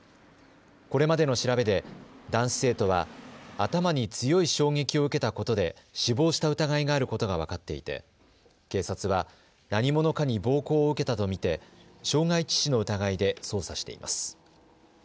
これまでの調べで男子生徒は頭に強い衝撃を受けたことで死亡した疑いがあることが分かっていて警察は何者かに暴行を受けたと見て傷害致死の疑いで捜査しています。